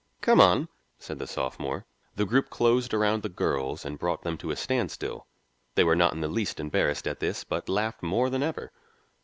"Come on," said the sophomore. The group closed around the girls and brought them to a standstill; they were not in the least embarrassed at this, but laughed more than ever.